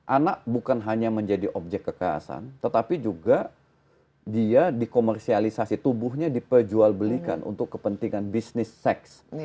anak bukan hanya menjadi objek kekerasan tetapi juga dia dikomersialisasi tubuhnya diperjualbelikan untuk kepentingan bisnis seks